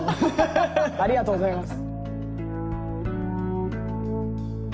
ありがとうございます。